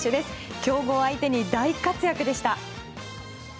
強豪相手に大活躍でした。